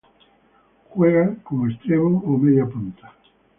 Juega como extremo o media punta.